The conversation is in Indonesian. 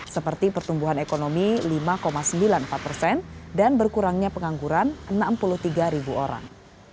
seperti pertumbuhan ekonomi lima sembilan puluh empat persen dan berkurangnya pengangguran enam puluh tiga ribu orang